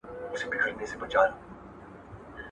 خپل ږغ د پښتو د راتلونکي لپاره ثبت کړئ.